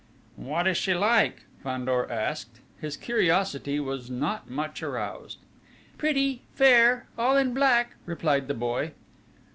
"What is she like?" Fandor asked. His curiosity was not much aroused. "Pretty, fair, all in black," replied the boy.